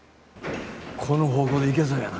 この方向でいけそうやな。